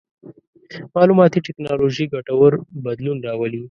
مالوماتي ټکنالوژي ګټور بدلون راولي.